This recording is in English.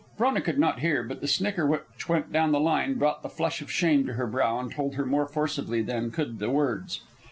Frona could not hear, but the snicker which went down the line brought the flush of shame to her brow and told her more forcibly than could the words.